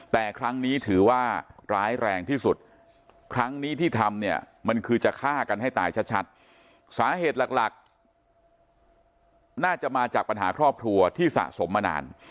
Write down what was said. แต่ครั้งนี้ถือว่าร้ายแรงที่สุดครั้งนี้ที่ทำเนี่ยมันคือจะฆ่ากันให้ตายชัดสาเหตุหลักหลักน่าจะมาจากปัญหาครอบครัวที่สะสมมานาน